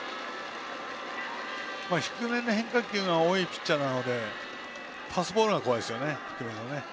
低めの変化球が多いピッチャーなのでパスボールが怖いですね。